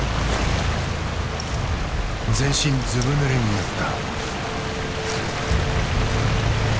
全身ずぶぬれになった。